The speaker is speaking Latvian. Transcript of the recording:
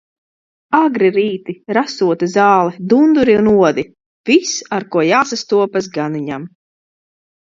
Agri rīti, rasota zāle, dunduri un odi - viss, ar ko jāsastopas ganiņam.